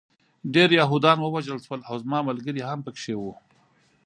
ډېر یهودان ووژل شول او زما ملګري هم پکې وو